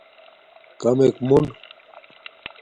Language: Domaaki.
کمک مون